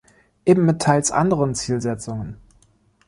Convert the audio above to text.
Eben mit teils anderen Zielsetzungen.